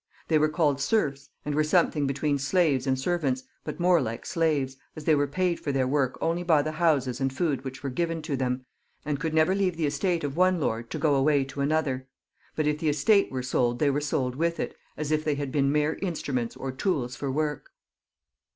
They were called seife, and were something between slaves and servants, but more like slaves, as they were paid for their work only by the houses and food which were given to them, and could never leave tiie estate of one lord to go away to another ; but if the estate were sold they were sold with it, as if they had been mere instruments or tools for work.